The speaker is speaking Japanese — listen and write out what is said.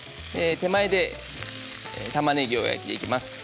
手前でたまねぎを焼いていきます。